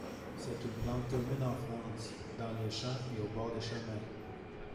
C'est une plante commune en France, dans les champs et au bord des chemins.